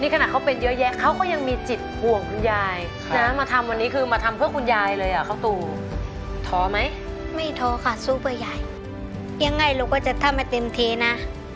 เขาตัวทอไหมไม่ทอค่ะสู้ไปใหญ่ยังไงลูกก็จะทำให้เต็มทีน่ะ